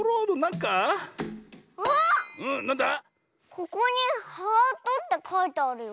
ここに「ハート」ってかいてあるよ。